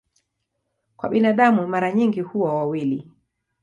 Kwa binadamu mara nyingi huwa wawili.